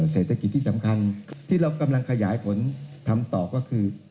เศรษฐกิจที่สำคัญที่เรากำลังขยายผลทำต่อก็คือ